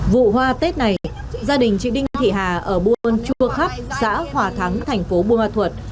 vụ hoa tết này gia đình chị đinh thị hà ở buôn chua khắp xã hòa thắng thành phố bùa thuật